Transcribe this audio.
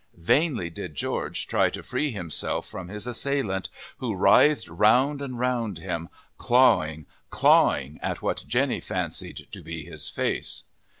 Vainly did George try to free himself from his assailant, who writhed round and round him, clawing, clawing at what Jenny fancied to be his face.